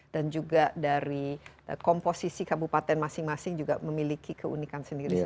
dan juga dari komposisi kabupaten masing masing juga memiliki keunikan sendiri